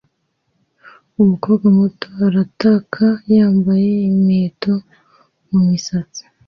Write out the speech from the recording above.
Umukobwa muto arataka yambaye imiheto mumisatsi